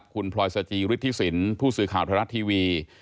คุณพลอยสจิฤทธิสินผู้สื่อข่าวไทยรัฐทีวี